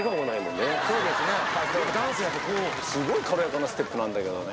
すごい軽やかなステップなんだけどね。